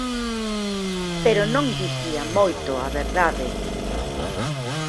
Pero non dicía moito a verdade.